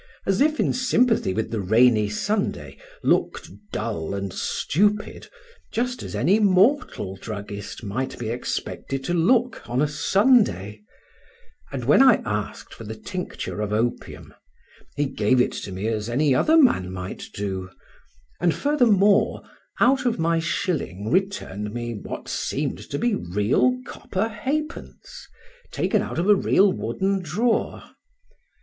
—as if in sympathy with the rainy Sunday, looked dull and stupid, just as any mortal druggist might be expected to look on a Sunday; and when I asked for the tincture of opium, he gave it to me as any other man might do, and furthermore, out of my shilling returned me what seemed to be real copper halfpence, taken out of a real wooden drawer.